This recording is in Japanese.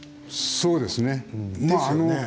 そうですね。